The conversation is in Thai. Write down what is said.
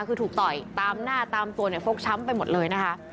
คือถูกต่อยตามหน้าตามตัวเนี่ยฟกช้ำไปหมดเลยนะคะ